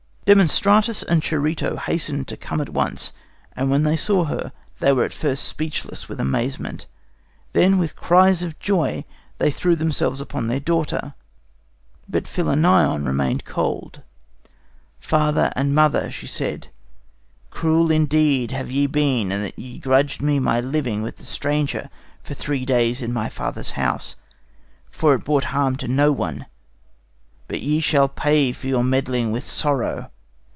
"Demostratus and Charito hastened to come at once, and when they saw her, they were at first speechless with amazement. Then, with cries of joy, they threw themselves upon their daughter. But Philinnion remained cold. 'Father and mother,' she said, 'cruel indeed have ye been in that ye grudged my living with the stranger for three days in my father's house, for it brought harm to no one. But ye shall pay for your meddling with sorrow.